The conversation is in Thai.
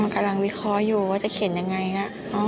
กำลังวิเคราะห์อยู่ว่าจะเขียนยังไงนะ